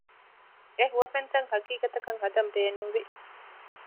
އެ ހުވަފެންތައް ހަގީގަތަކަށް ހަދަން ބޭނުންވި